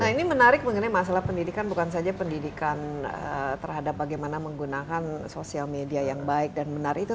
nah ini menarik mengenai masalah pendidikan bukan saja pendidikan terhadap bagaimana menggunakan sosial media yang baik dan menarik itu